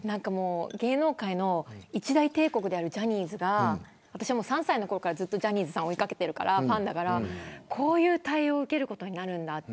芸能界の一大帝国であるジャニーズが私は３歳のころからずっと追い掛けているからファンだから、こういう対応を受けることになるんだと。